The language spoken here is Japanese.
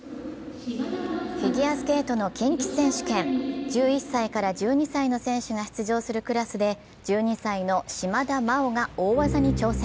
フィギュアスケートの近畿選手権１１歳から１２歳の選手が出場するクラスで１２歳の島田麻央が大技に挑戦。